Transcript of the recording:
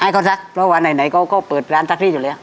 ให้เขาซักเพราะวันไหนไหนก็ก็เปิดร้านซักรีดอยู่แล้ว